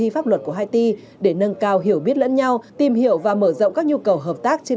pháp luật của haiti để nâng cao hiểu biết lẫn nhau tìm hiểu và mở rộng các nhu cầu hợp tác trên